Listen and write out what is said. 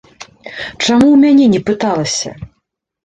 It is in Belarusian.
Чаму ў мяне не пыталася?